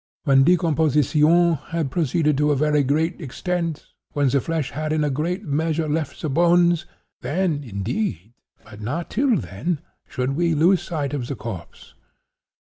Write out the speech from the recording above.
When decomposition had proceeded to a very great extent—when the flesh had in a great measure left the bones—then, indeed, but not till then, should we lose sight of the corpse.